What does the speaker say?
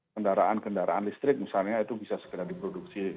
kendaraan kendaraan listrik misalnya itu bisa segera diproduksi